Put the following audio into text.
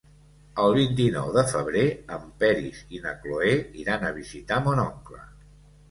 El vint-i-nou de febrer en Peris i na Cloè iran a visitar mon oncle.